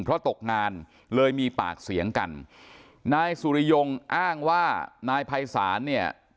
เพราะตกงานเลยมีปากเสียงกันนายสุริยงอ้างว่านายภัยศาลเนี่ย